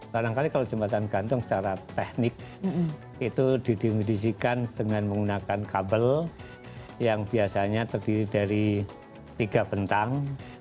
barangkali kalau jembatan gantung secara teknik itu didemedisikan dengan menggunakan kabel yang biasanya terdiri dari tiga bentang